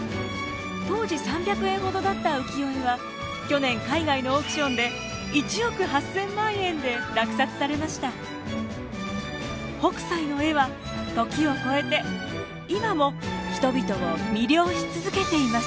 当時３００円ほどだった浮世絵は去年海外のオークションで北斎の絵は時を超えて今も人々を魅了し続けています。